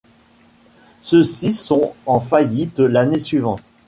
Ceux-ci sont en faillite l’année suivante.